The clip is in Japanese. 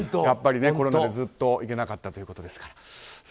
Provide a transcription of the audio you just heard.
やっぱり、コロナでずっと行けなかったということですから。